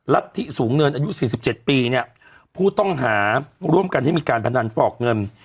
รัฐที่สูงเงินอายุสี่สิบเจ็ดปีเนี่ยผู้ต้องหาร่วมกันที่มีการพนันฝอกเงิน